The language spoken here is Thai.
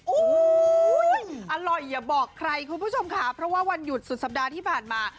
โอ้โหอร่อยอย่าบอกใครคุณผู้ชมค่ะเพราะว่าวันหยุดสุดสัปดาห์ที่ผ่านมา